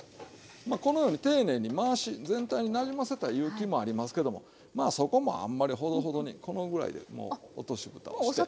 このように丁寧に回し全体になじませたいいう気もありますけどもまあそこもあんまりほどほどにこのぐらいでもう落としぶたをして。